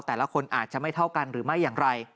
แต่ละคนอาจจะไม่เท่ากันหรือไม่อย่างไร